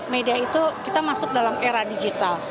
media itu kita masuk dalam era digital